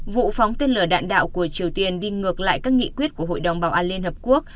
vụ phóng tên lửa đạn đạo của triều tiên đi ngược lại các nghị quyết của hội đồng bảo an liên hợp quốc